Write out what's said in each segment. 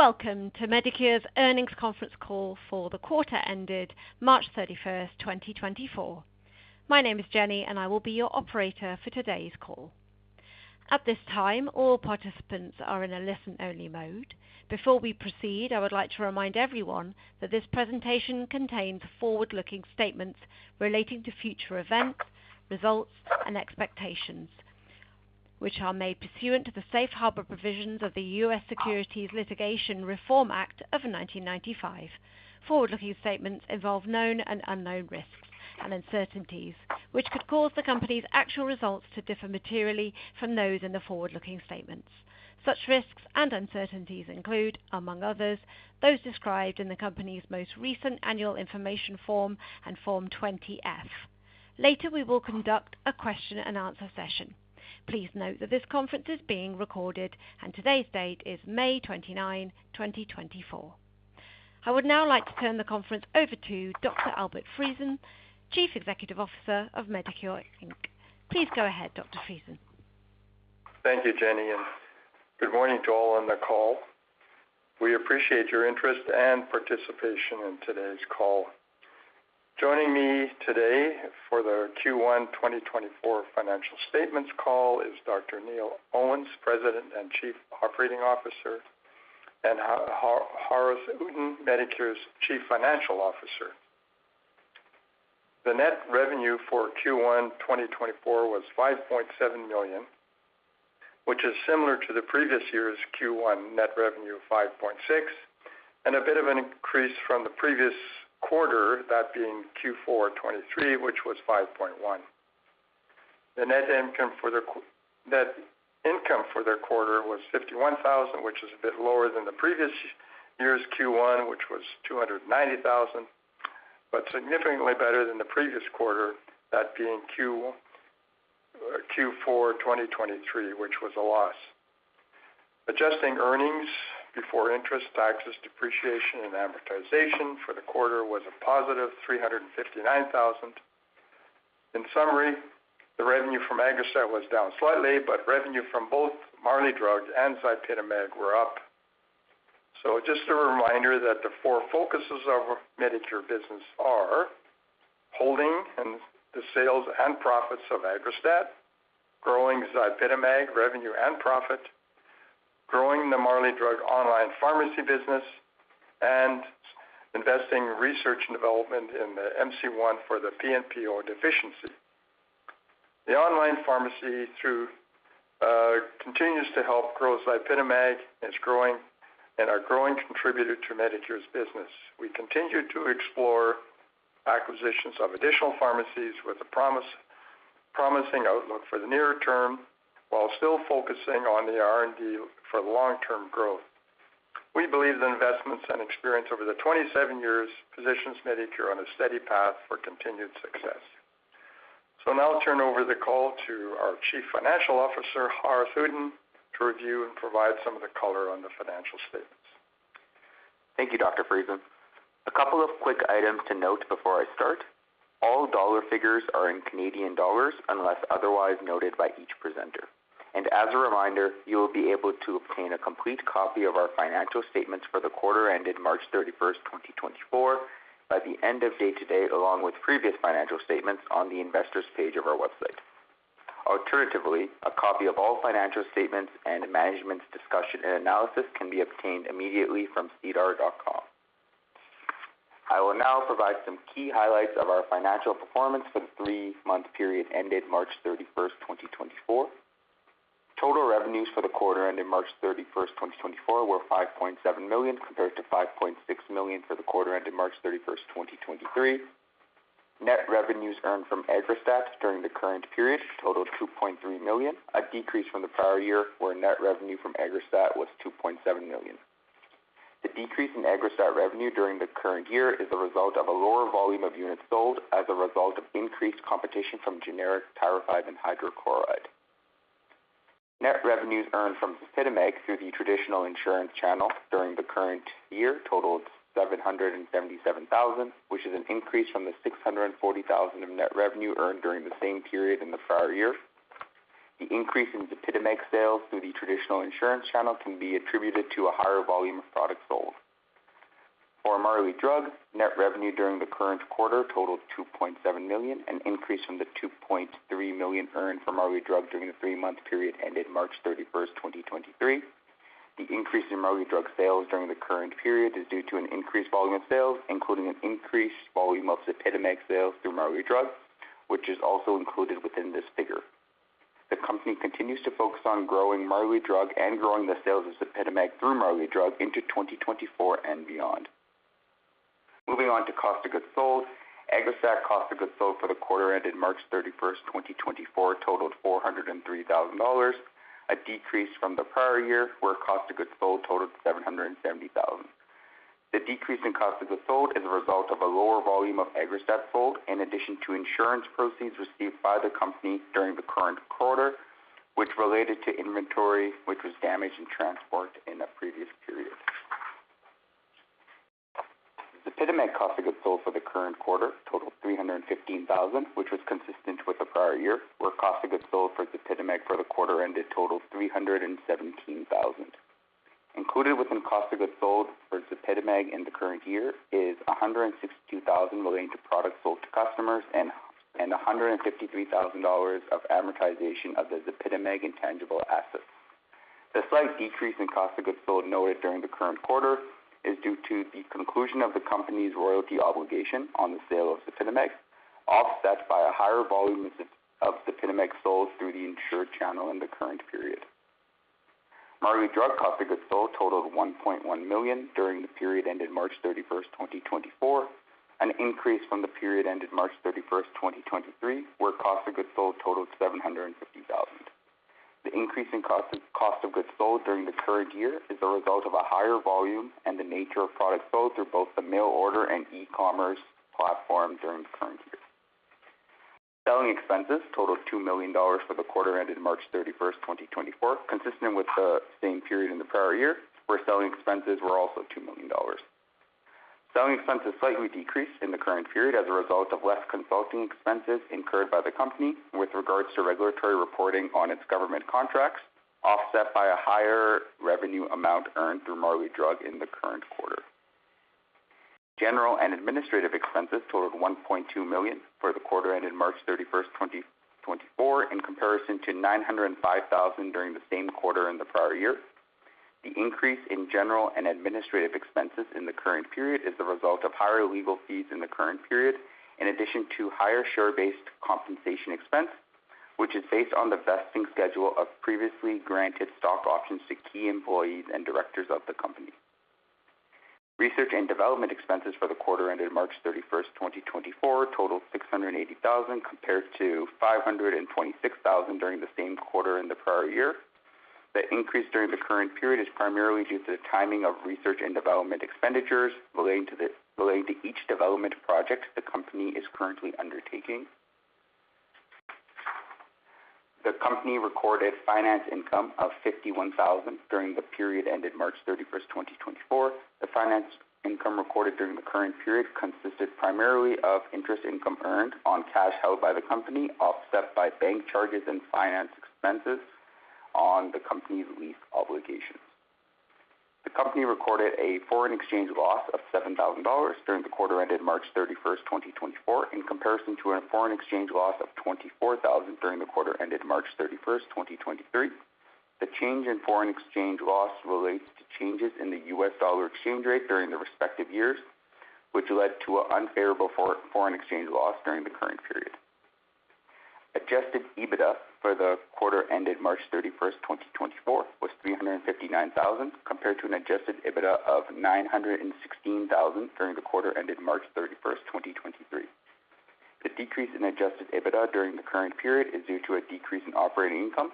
Welcome to Medicure's Earnings Conference Call for the Quarter Ended March 31, 2024. My name is Jenny, and I will be your operator for today's call. At this time, all participants are in a listen-only mode. Before we proceed, I would like to remind everyone that this presentation contains forward-looking statements relating to future events, results, and expectations, which are made pursuant to the Safe Harbor Provisions of the U.S. Securities Litigation Reform Act of 1995. Forward-looking statements involve known and unknown risks and uncertainties, which could cause the company's actual results to differ materially from those in the forward-looking statements. Such risks and uncertainties include, among others, those described in the company's most recent Annual Information Form and Form 20-F. Later, we will conduct a question and answer session. Please note that this conference is being recorded, and today's date is May 29, 2024. I would now like to turn the conference over to Dr. Albert Friesen, Chief Executive Officer of Medicure Inc. Please go ahead, Dr. Friesen. Thank you, Jenny, and good morning to all on the call. We appreciate your interest and participation in today's call. Joining me today for the Q1 2024 financial statements call is Dr. Neil Owens, President and Chief Operating Officer; and Haaris Uddin, Medicure's Chief Financial Officer. The net revenue for Q1 2024 was 5.7 million, which is similar to the previous year's Q1 net revenue of 5.6 million, and a bit of an increase from the previous quarter, that being Q4 2023, which was 5.1 million. Net income for the quarter was 51,000, which is a bit lower than the previous year's Q1, which was 290,000, but significantly better than the previous quarter, that being Q4 2023, which was a loss. Adjusted earnings before interest, taxes, depreciation, and amortization for the quarter was a positive 359,000. In summary, the revenue from AGGRASTAT was down slightly, but revenue from both Marley Drug and ZYPITAMAG were up. So just a reminder that the four focuses of Medicure business are: holding and the sales and profits of AGGRASTAT, growing ZYPITAMAG revenue and profit, growing the Marley Drug online pharmacy business, and investing in research and development in the MC-1 for the PNPO deficiency. The online pharmacy though continues to help grow ZYPITAMAG and is growing, and are growing contributor to Medicure's business. We continue to explore acquisitions of additional pharmacies with a promising outlook for the near term, while still focusing on the R&D for long-term growth. We believe the investments and experience over the 27 years positions Medicure on a steady path for continued success. I'll now turn over the call to our Chief Financial Officer, Haaris Uddin, to review and provide some of the color on the financial statements. Thank you, Dr. Friesen. A couple of quick items to note before I start. All dollar figures are in Canadian dollars, unless otherwise noted by each presenter. As a reminder, you will be able to obtain a complete copy of our financial statements for the quarter ended March thirty-first, twenty twenty-four, by the end of day today, along with previous financial statements on the investors page of our website. Alternatively, a copy of all financial statements and Management's Discussion and Analysis can be obtained immediately from sedar.com. I will now provide some key highlights of our financial performance for the three-month period ended March thirty-first, twenty twenty-four. Total revenues for the quarter ended March thirty-first, twenty twenty-four, were 5.7 million, compared to 5.6 million for the quarter ended March thirty-first, twenty twenty-three. Net revenues earned from AGGRASTAT during the current period totaled 2.3 million, a decrease from the prior year, where net revenue from AGGRASTAT was 2.7 million. The decrease in AGGRASTAT revenue during the current year is a result of a lower volume of units sold as a result of increased competition from generic tirofiban hydrochloride. Net revenues earned from ZYPITAMAG through the traditional insurance channel during the current year totaled 777 thousand, which is an increase from the 640 thousand of net revenue earned during the same period in the prior year. The increase in ZYPITAMAG sales through the traditional insurance channel can be attributed to a higher volume of products sold. For Marley Drug, net revenue during the current quarter totaled $2.7 million, an increase from the $2.3 million earned from Marley Drug during the three-month period ended March 31, 2023. The increase in Marley Drug sales during the current period is due to an increased volume of sales, including an increased volume of ZYPITAMAG sales through Marley Drug, which is also included within this figure. The company continues to focus on growing Marley Drug and growing the sales of ZYPITAMAG through Marley Drug into 2024 and beyond. Moving on to cost of goods sold. AGGRASTAT cost of goods sold for the quarter ended March 31, 2024, totaled $403,000, a decrease from the prior year, where cost of goods sold totaled $770,000. The decrease in cost of goods sold is a result of a lower volume of AGGRASTAT sold, in addition to insurance proceeds received by the company during the current quarter, which related to inventory, which was damaged in transport in a previous period. ZYPITAMAG cost of goods sold for the current quarter totaled $315 thousand, which was consistent with the prior year, where cost of goods sold for ZYPITAMAG for the quarter ended total $317 thousand. Included within cost of goods sold for ZYPITAMAG in the current year is $162 thousand relating to products sold to customers and $153 thousand of amortization of the ZYPITAMAG intangible assets. The slight decrease in cost of goods sold noted during the current quarter is due to the conclusion of the company's royalty obligation on the sale of ZYPITAMAG, offset by a higher volume of ZYPITAMAG sold through the insured channel in the current period. Marley Drug cost of goods sold totaled 1.1 million during the period ended March 31, 2024, an increase from the period ended March 31, 2023, where cost of goods sold totaled 750,000. The increase in cost of goods sold during the current year is a result of a higher volume and the nature of product sold through both the mail order and e-commerce platform during the current year. Selling expenses totaled $2 million for the quarter ended March 31, 2024, consistent with the same period in the prior year, where selling expenses were also $2 million. Selling expenses slightly decreased in the current period as a result of less consulting expenses incurred by the company with regards to regulatory reporting on its government contracts, offset by a higher revenue amount earned through Marley Drug in the current quarter. General and administrative expenses totaled $1.2 million for the quarter ended March 31, 2024, in comparison to $905,000 during the same quarter in the prior year. The increase in general and administrative expenses in the current period is the result of higher legal fees in the current period, in addition to higher share-based compensation expense, which is based on the vesting schedule of previously granted stock options to key employees and directors of the company. Research and development expenses for the quarter ended March 31, 2024, totaled 680,000, compared to 526,000 during the same quarter in the prior year. The increase during the current period is primarily due to the timing of research and development expenditures relating to each development project the company is currently undertaking. The company recorded finance income of 51,000 during the period ended March 31, 2024. The finance income recorded during the current period consisted primarily of interest income earned on cash held by the company, offset by bank charges and finance expenses on the company's lease obligations. The company recorded a foreign exchange loss of $7,000 during the quarter ended March 31, 2024, in comparison to a foreign exchange loss of $24,000 during the quarter ended March 31, 2023. The change in foreign exchange loss relates to changes in the US dollar exchange rate during the respective years, which led to an unfavorable foreign exchange loss during the current period. Adjusted EBITDA for the quarter ended March 31, 2024, was $359,000, compared to an adjusted EBITDA of $916,000 during the quarter ended March 31, 2023. The decrease in Adjusted EBITDA during the current period is due to a decrease in operating income,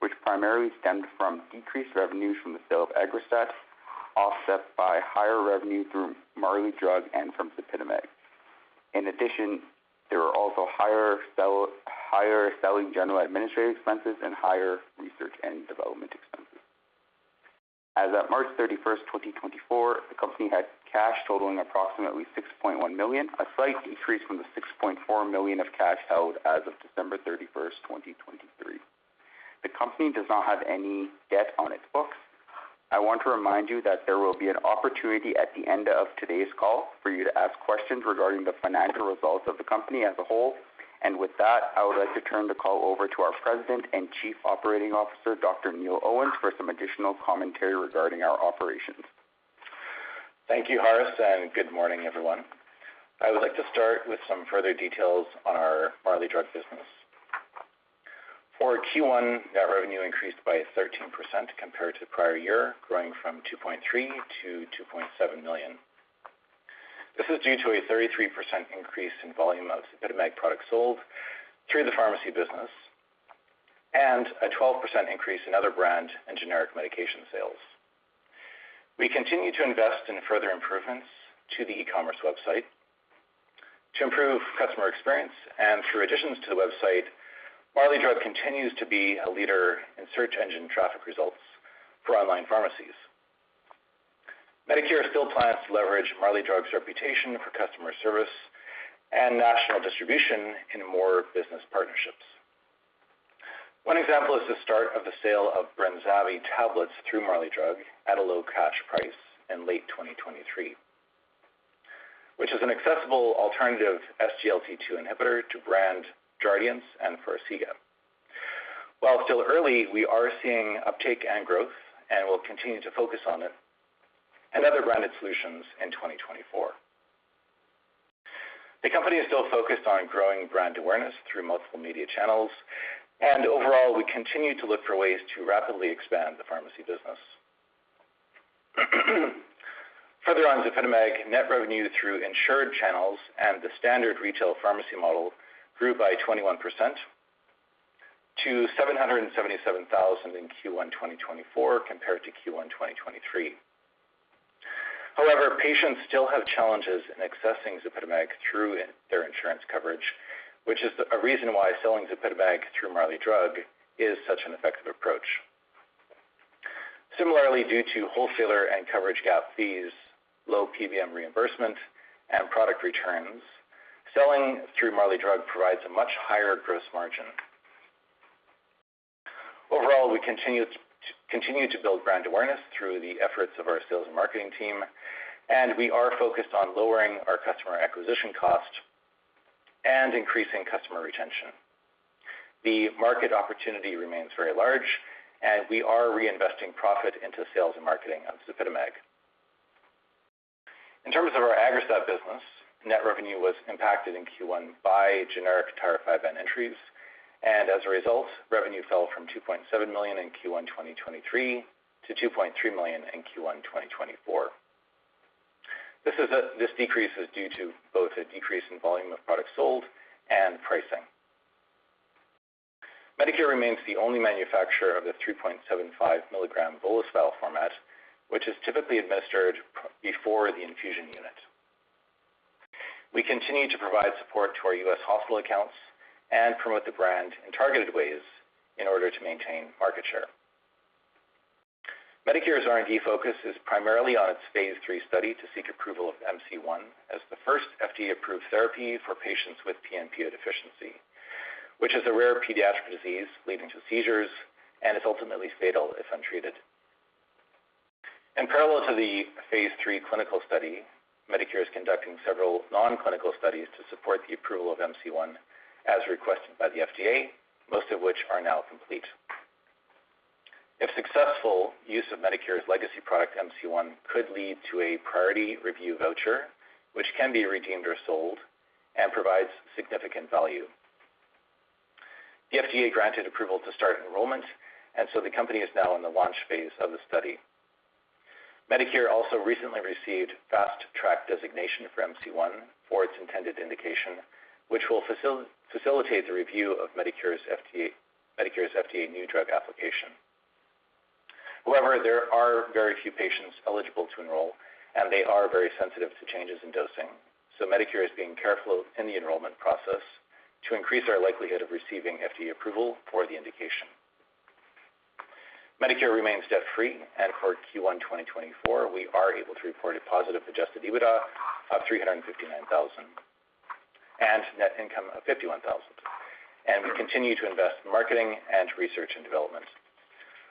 which primarily stemmed from decreased revenues from the sale of AGGRASTAT, offset by higher revenue through Marley Drug and from ZYPITAMAG. In addition, there were also higher selling general administrative expenses and higher research and development expenses. As at March 31, 2024, the company had cash totaling approximately 6.1 million, a slight decrease from the 6.4 million of cash held as of December 31, 2023. The company does not have any debt on its books. I want to remind you that there will be an opportunity at the end of today's call for you to ask questions regarding the financial results of the company as a whole. With that, I would like to turn the call over to our President and Chief Operating Officer, Dr. Neil Owens, for some additional commentary regarding our operations. Thank you, Haaris, and good morning, everyone. I would like to start with some further details on our Marley Drug business. For Q1, net revenue increased by 13% compared to the prior year, growing from 2.3 million to 2.7 million. This is due to a 33% increase in volume of ZYPITAMAG products sold through the pharmacy business and a 12% increase in other brand and generic medication sales. We continue to invest in further improvements to the e-commerce website to improve customer experience and through additions to the website, Marley Drug continues to be a leader in search engine traffic results for online pharmacies. Medicure still plans to leverage Marley Drug's reputation for customer service and national distribution in more business partnerships. One example is the start of the sale of Brenzavvy tablets through Marley Drug at a low cash price in late 2023, which is an accessible alternative SGLT2 inhibitor to brand Jardiance and Farxiga. While still early, we are seeing uptake and growth, and we'll continue to focus on it and other branded solutions in 2024. The company is still focused on growing brand awareness through multiple media channels, and overall, we continue to look for ways to rapidly expand the pharmacy business. Further on, ZYPITAMAG net revenue through insured channels and the standard retail pharmacy model grew by 21% to 777,000 in Q1 2024, compared to Q1 2023. However, patients still have challenges in accessing ZYPITAMAG through their insurance coverage, which is a reason why selling ZYPITAMAG through Marley Drug is such an effective approach. Similarly, due to wholesaler and coverage gap fees, low PBM reimbursement, and product returns, selling through Marley Drug provides a much higher gross margin. Overall, we continue to build brand awareness through the efforts of our sales and marketing team, and we are focused on lowering our customer acquisition cost and increasing customer retention. The market opportunity remains very large, and we are reinvesting profit into sales and marketing of ZYPITAMAG. In terms of our AGGRASTAT business, net revenue was impacted in Q1 by generic tirofiban entries, and as a result, revenue fell from $2.7 million in Q1 2023 to $2.3 million in Q1 2024. This decrease is due to both a decrease in volume of products sold and pricing. Medicure remains the only manufacturer of the 3.75 milligram bolus vial format, which is typically administered prior to the infusion unit. We continue to provide support to our U.S. hospital accounts and promote the brand in targeted ways in order to maintain market share. Medicure's R&D focus is primarily on its phase III study to seek approval of MC-1 as the first FDA-approved therapy for patients with PNPO deficiency, which is a rare pediatric disease leading to seizures and is ultimately fatal if untreated. In parallel to the phase III clinical study, Medicure is conducting several non-clinical studies to support the approval of MC-1, as requested by the FDA, most of which are now complete. If successful, use of Medicure's legacy product, MC-1, could lead to a Priority Review Voucher, which can be redeemed or sold and provides significant value. The FDA granted approval to start enrollment, and so the company is now in the launch phase of the study. Medicure also recently received Fast Track designation for MC-1 for its intended indication, which will facilitate the review of Medicure's FDA New Drug Application. However, there are very few patients eligible to enroll, and they are very sensitive to changes in dosing. So Medicure is being careful in the enrollment process to increase our likelihood of receiving FDA approval for the indication. Medicure remains debt-free, and for Q1 2024, we are able to report a positive Adjusted EBITDA of 359,000 and net income of 51,000, and we continue to invest in marketing and research and development.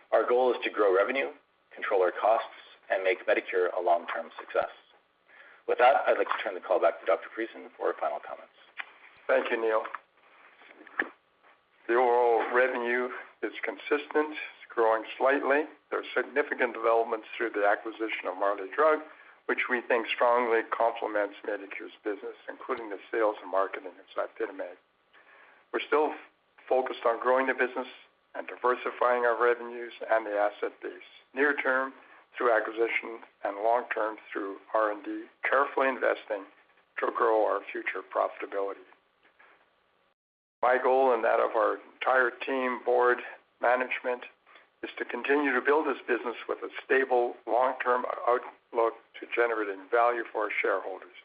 Our goal is to grow revenue, control our costs, and make Medicure a long-term success. With that, I'd like to turn the call back to Dr. Friesen for final comments. Thank you, Neil. The overall revenue is consistent. It's growing slightly. There are significant developments through the acquisition of Marley Drug, which we think strongly complements Medicure's business, including the sales and marketing of ZYPITAMAG. We're still focused on growing the business and diversifying our revenues and the asset base, near term, through acquisition and long term through R&D, carefully investing to grow our future profitability. My goal, and that of our entire team, board, management, is to continue to build this business with a stable, long-term outlook to generating value for our shareholders.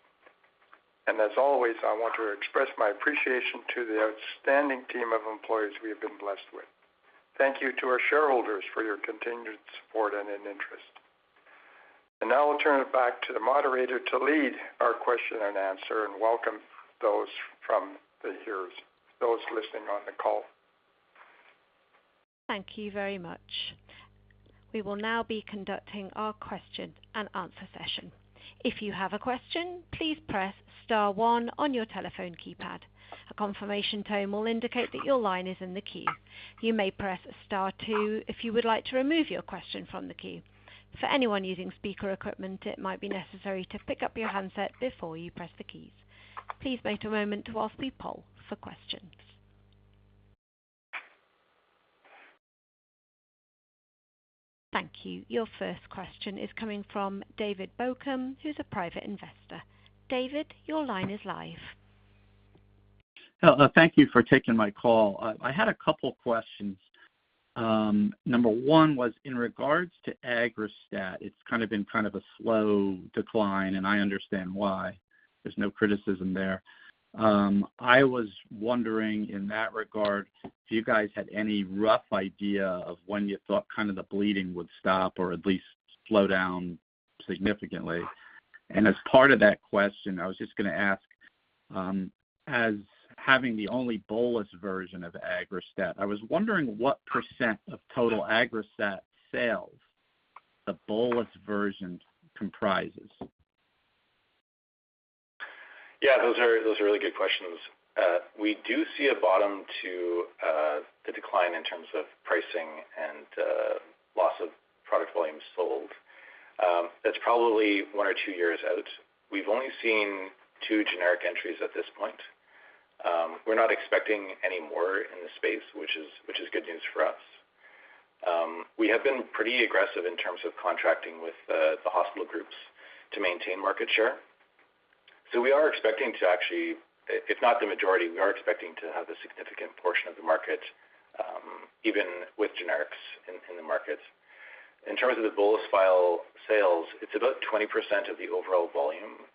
And as always, I want to express my appreciation to the outstanding team of employees we have been blessed with. Thank you to our shareholders for your continued support and interest. Now I'll turn it back to the moderator to lead our question and answer and welcome those from the web, those listening on the call. Thank you very much. We will now be conducting our question and answer session. If you have a question, please press star one on your telephone keypad. A confirmation tone will indicate that your line is in the queue. You may press star two if you would like to remove your question from the queue. For anyone using speaker equipment, it might be necessary to pick up your handset before you press the keys. Please wait a moment whilst we poll for questions. Thank you. Your first question is coming from David Baucom, who's a private investor. David, your line is live. Hello, thank you for taking my call. I had a couple questions. Number one was in regards to AGGRASTAT. It's kind of been kind of a slow decline, and I understand why. There's no criticism there. I was wondering in that regard, if you guys had any rough idea of when you thought kind of the bleeding would stop or at least slow down significantly. And as part of that question, I was just gonna ask, as having the only bolus version of AGGRASTAT, I was wondering what % of total AGGRASTAT sales the bolus version comprises? Yeah, those are, those are really good questions. We do see a bottom to the decline in terms of pricing and loss of product volumes sold. That's probably one or two years out. We've only seen two generic entries at this point. We're not expecting any more in the space, which is, which is good news for us. We have been pretty aggressive in terms of contracting with the hospital groups to maintain market share. So we are expecting to actually, if, if not the majority, we are expecting to have a significant portion of the market, even with generics in, in the market. In terms of the bolus vial sales, it's about 20% of the overall volume.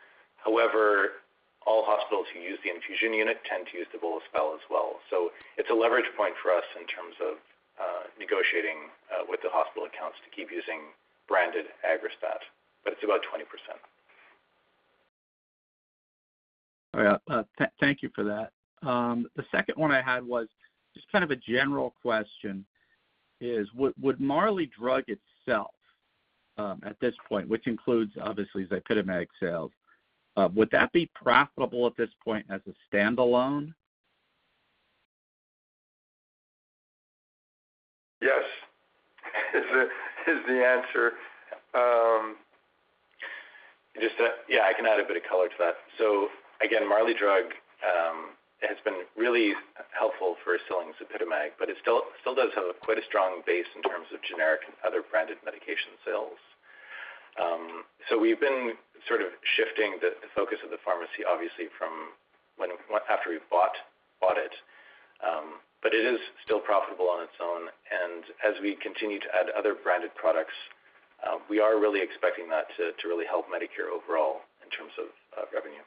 However, all hospitals who use the infusion unit tend to use the bolus vial as well. So it's a leverage point for us in terms of negotiating with the hospital accounts to keep using branded AGGRASTAT, but it's about 20%. All right. Thank you for that. The second one I had was just kind of a general question, would, would Marley Drug itself, at this point, which includes obviously ZYPITAMAG sales, would that be profitable at this point as a standalone? Yes, is the answer. Just to, yeah, I can add a bit of color to that. So again, Marley Drug has been really helpful for selling ZYPITAMAG, but it still does have quite a strong base in terms of generic and other branded medication sales. So we've been sort of shifting the focus of the pharmacy, obviously, from after we bought it. But it is still profitable on its own, and as we continue to add other branded products, we are really expecting that to really help Medicure overall in terms of revenue.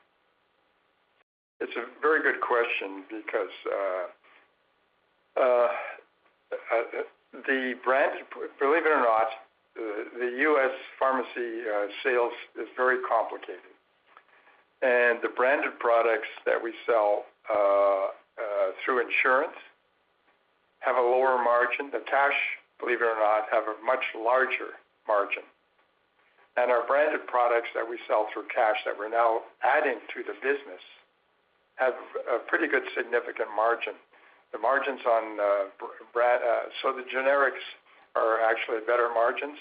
It's a very good question because, the brand, believe it or not, the U.S. pharmacy sales is very complicated. And the branded products that we sell, through insurance have a lower margin. The cash, believe it or not, have a much larger margin. And our branded products that we sell through cash, that we're now adding to the business, have a pretty good significant margin. The margins on, brand, so the generics are actually better margins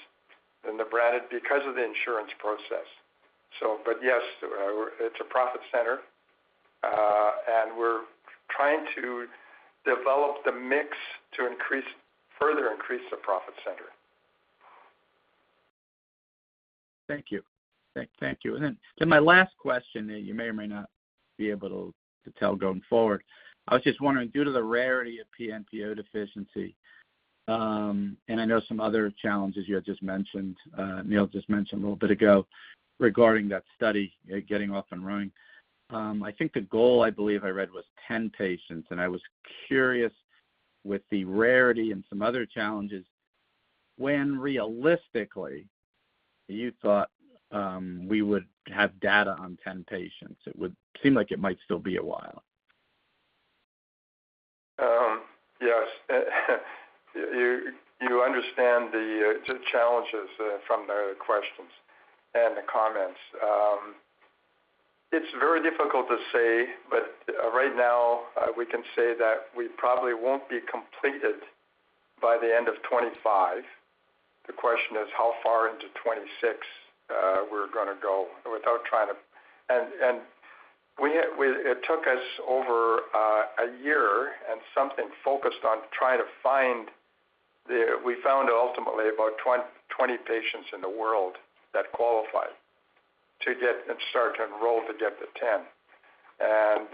than the branded because of the insurance process. So but yes, it's a profit center. And we're trying to develop the mix to increase, further increase the profit center. Thank you. Thank you. And then my last question that you may or may not be able to tell going forward. I was just wondering, due to the rarity of PNPO deficiency, and I know some other challenges you had just mentioned, Neil just mentioned a little bit ago regarding that study getting off and running. I think the goal I believe I read was 10 patients, and I was curious, with the rarity and some other challenges, when realistically you thought we would have data on 10 patients? It would seem like it might still be a while. Yes. You understand the challenges from the questions and the comments. It's very difficult to say, but right now, we can say that we probably won't be completed by the end of 2025. The question is how far into 2026 we're gonna go without trying to., and it took us over a year and something focused on trying to find the- we found ultimately about 20 patients in the world that qualified to get and start to enroll, to get to 10. And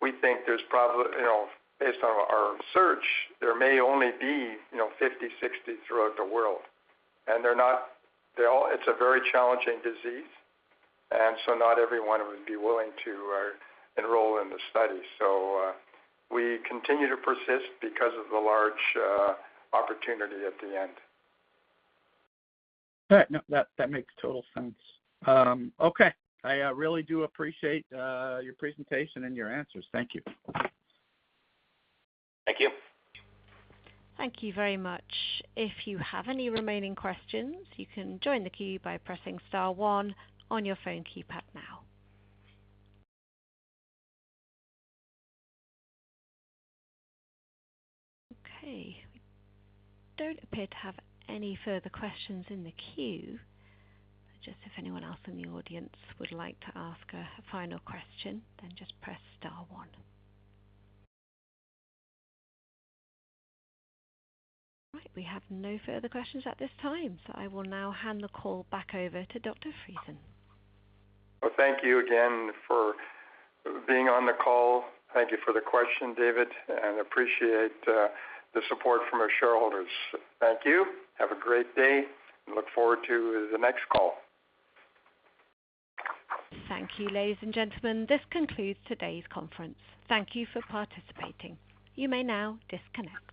we think there's probably, you know, based on our research, there may only be, you know, 50, 60 throughout the world. And they're not, it's a very challenging disease, and so not everyone would be willing to enroll in the study. We continue to persist because of the large opportunity at the end. All right. No, that makes total sense. Okay. I really do appreciate your presentation and your answers. Thank you. Thank you. Thank you very much. If you have any remaining questions, you can join the queue by pressing star one on your phone keypad now. Okay, we don't appear to have any further questions in the queue. Just if anyone else in the audience would like to ask a final question, then just press star one. All right. We have no further questions at this time, so I will now hand the call back over to Dr. Friesen. Well, thank you again for being on the call. Thank you for the question, David, and appreciate the support from our shareholders. Thank you. Have a great day, and look forward to the next call. Thank you, ladies and gentlemen. This concludes today's conference. Thank you for participating. You may now disconnect.